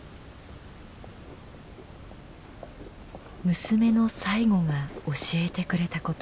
娘の最期が教えてくれたこと。